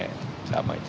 sambut dengan baik